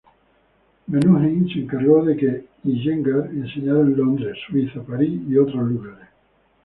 Menuhin se encargó de que Iyengar enseñara en Londres, Suiza, París y otros lugares.